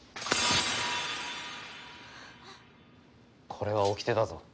これはおきてだぞ。